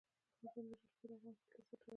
د افغانستان جلکو د افغان کلتور سره تړاو لري.